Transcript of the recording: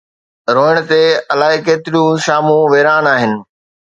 روئڻ ته الائي ڪيتريون شامون ويران آهن.